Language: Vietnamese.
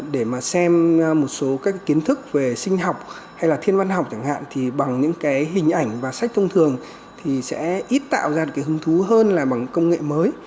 để mà xem một số các kiến thức về sinh học hay là thiên văn học chẳng hạn thì bằng những cái hình ảnh và sách thông thường thì sẽ ít tạo ra cái hứng thú hơn là bằng công nghệ mới